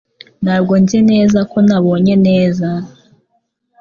Ntabwo nzi neza ko nabonye neza